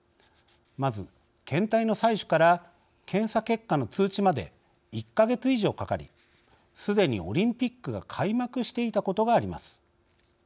まず、検体の採取から検査結果の通知まで１か月以上かかりすでにオリンピックが開幕していたことがあります。